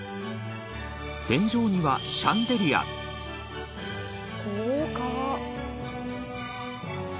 天井にはシャンデリア本仮屋：豪華！